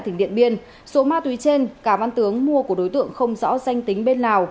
tỉnh điện biên số ma túy trên cà văn tướng mua của đối tượng không rõ danh tính bên lào